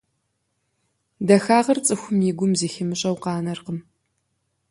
Дахагъэр цӀыхум и гум зэхимыщӀэу къанэркъым.